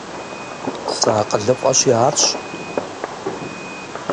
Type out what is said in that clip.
СыакъылыфӀэщи, арщ.